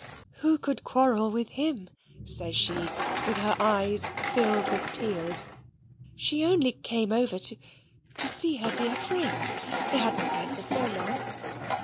"Who could quarrel with him?" says she, with her eyes filled with tears. She only came over to to see her dear friends; they had not met for so long.